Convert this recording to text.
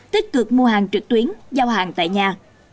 tích cực mua hàng trực tuyến giao hàng tại nhà